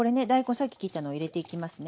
さっき切ったのを入れていきますね。